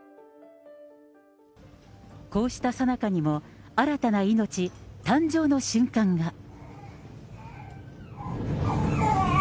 こうしたさなかにも、新たな命、誕生の瞬間が。